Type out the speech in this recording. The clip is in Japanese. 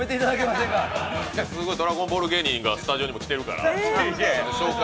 すごいドラゴンボール芸人がスタジオにも来てるから。